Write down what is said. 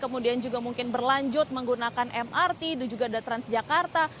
kemudian juga mungkin berlanjut menggunakan mrt dan juga ada transjakarta